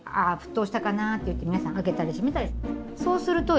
ああ沸騰したかなって言って皆さん開けたり閉めたりする。